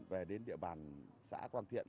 về đến địa bàn xã quang thiện